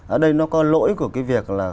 ở đây nó có lỗi của cái việc là